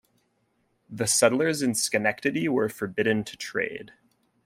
The settlers in Schenectady were forbidden to trade.